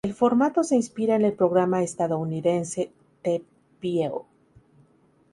El formato se inspira en el programa estadounidense "The View".